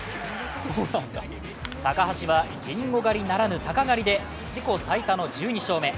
高橋はりんご狩りならぬたか狩りで自己最多の１２勝目。